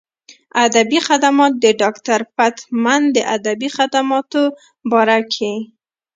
ادبي خدمات د ډاکټر فتح مند د ادبي خدماتو باره کښې